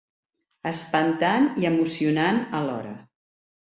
Espantant i emocionant alhora.